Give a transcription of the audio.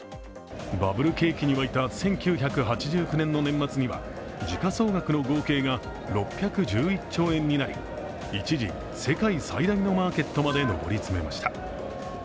バブル景気に沸いた１９８９年の年末には時価総額の合計が６１１兆円になり、一時、世界最大のマーケットまで上り詰めました。